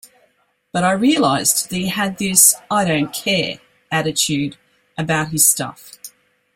But I realized he had this I-don't-care attitude about his stuff.